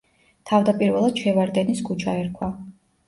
თავდაპირველად შევარდენის ქუჩა ერქვა.